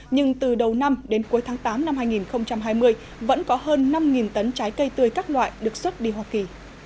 nhưng từ đầu năm đến cuối tháng tám năm hai nghìn hai mươi vẫn có hơn năm tấn trái cây tươi các loại được xuất đi hoa kỳ